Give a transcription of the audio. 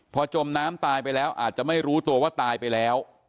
พอจมน้ำตายไปแล้วอาจจะไม่รู้ตัวว่าตายไปแล้ว